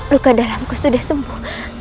luka dalamku sudah sembuh